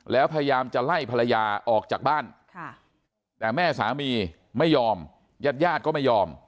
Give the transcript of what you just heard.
แล้วพยายามจะไล่ภรรยาออกจากบ้านแต่แม่สามีไม่ยอมญาติญาติก็ไม่ยอม